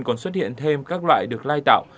còn xuất hiện thêm các loại được lai tạo